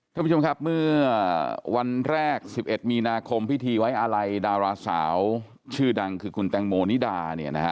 ท่านผู้ชมครับเมื่อวันแรก๑๑มีนาคมพิธีไว้อาลัยดาราสาวชื่อดังคือคุณแตงโมนิดาเนี่ยนะฮะ